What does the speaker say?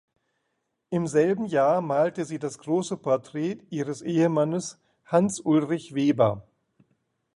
Im selben Jahr malte sie das große Porträt ihres Ehemannes Hans Ulrich Weber.